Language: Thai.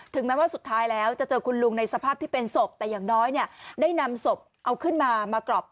แม้ว่าสุดท้ายแล้วจะเจอคุณลุงในสภาพที่เป็นศพแต่อย่างน้อยเนี่ยได้นำศพเอาขึ้นมามากรอบ